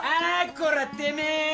こらてめえよ！